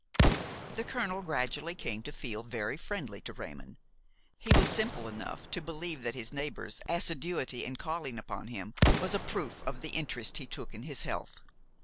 The colonel gradually came to feel very friendly to Raymon. He was simple enough to believe that his neighbor's assiduity in calling upon him was a proof of the interest he took in his health.